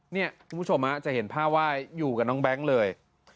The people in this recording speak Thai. คุณผู้ชมจะเห็นภาพว่าอยู่กับน้องแบงค์เลย